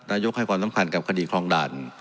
ให้ความสำคัญกับคดีคลองด่าน